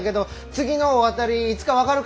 次のお渡りいつか分かるか。